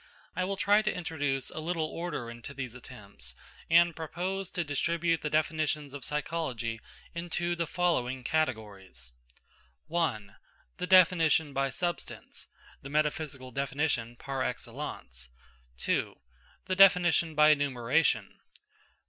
I will try to introduce a little order into these attempts, and propose to distribute the definitions of psychology into the following categories: 1. The definition by substance; the metaphysical definition par excellence. 2. The definition by enumeration.